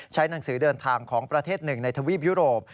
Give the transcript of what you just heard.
หนังสือเดินทางของประเทศหนึ่งในทวีปยุโรป